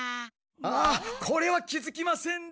ああこれは気づきませんで。